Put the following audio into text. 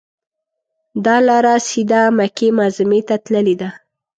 دا لاره سیده مکې معظمې ته تللې ده.